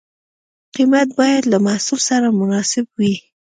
قیمت باید له محصول سره مناسب وي.